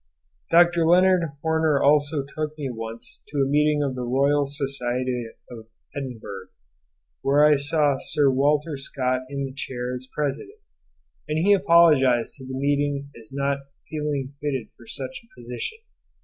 Mr. Leonard Horner also took me once to a meeting of the Royal Society of Edinburgh, where I saw Sir Walter Scott in the chair as President, and he apologised to the meeting as not feeling fitted for such a position.